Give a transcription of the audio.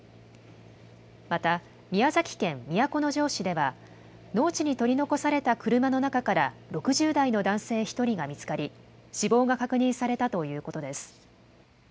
また、宮崎県都城市では、農地に取り残された車の中から６０代の男性１人が見つかり、死亡が確認されたということです。